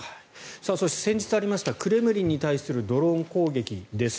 そして先日ありましたクレムリンに対するドローン攻撃です。